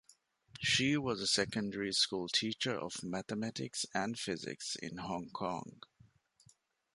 She was a secondary school teacher of mathematics and physics in Hong Kong.